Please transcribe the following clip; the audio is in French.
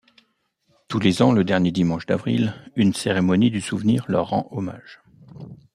Tous les ans, le dernier dimanche d'avril une cérémonie du souvenir leur rend hommage.